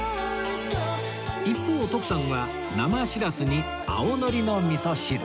一方徳さんは生シラスに青のりの味噌汁